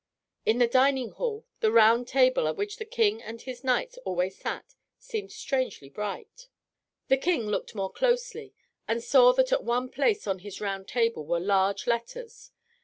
In the dining hall the Round Table at which the King and his knights always sat seemed strangely bright. The King looked more closely, and saw that at one place on this Round Table were large letters.